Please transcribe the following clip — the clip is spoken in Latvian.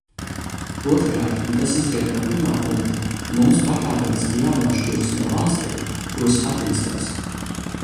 Otrkārt, un tas izriet no pirmā punkta, mums pakāpeniski jānošķiras no valstīm, kuras attīstās.